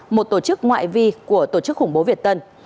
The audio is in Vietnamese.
một tổ chức ngoại vi của tổ chức khủng bố việt tân